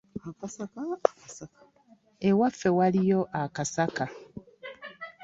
Ewaffe waliyo akasaka